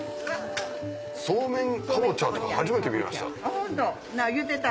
そうめんかぼちゃとか初めて見ました。